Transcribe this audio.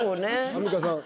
アンミカさん。